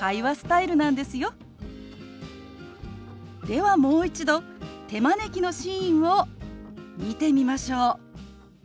ではもう一度手招きのシーンを見てみましょう。